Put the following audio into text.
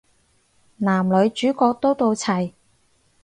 男女主角都到齊